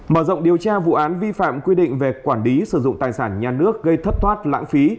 mở rộng điều tra vụ án vi phạm quy định về quản lý sử dụng tài sản nhà nước gây thất thoát lãng phí